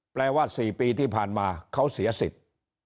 แปลว่า๔ปีที่ผ่านมาเขาเสียสิทธิ์